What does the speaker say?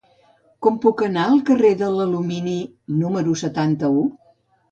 Com puc anar al carrer de l'Alumini número setanta-u?